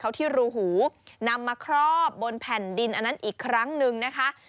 เขาที่รูหูนำมาครอบบนแผ่นดินอันนั้นอีกครั้งหนึ่งนะคะ